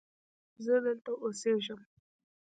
زه دلته اوسیږم.